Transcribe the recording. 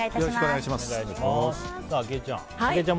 よろしくお願いします。